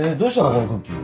このクッキー。